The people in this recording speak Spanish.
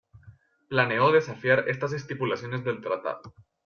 Planeó desafiar estas estipulaciones del tratado.